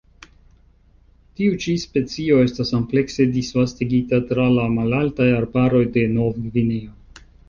Tiu ĉi specio estas amplekse disvastigita tra la malaltaj arbaroj de Novgvineo.